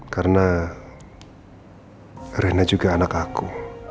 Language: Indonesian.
karena rena juga anak aku